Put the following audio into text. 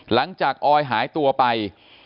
หลังจากออยหายตัวไป